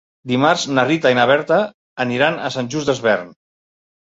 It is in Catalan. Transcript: Dimarts na Rita i na Berta aniran a Sant Just Desvern.